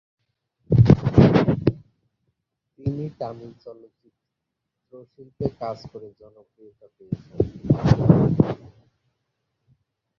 তিনি তামিল চলচ্চিত্র শিল্পে কাজ করে জনপ্রিয়তা পেয়েছেন।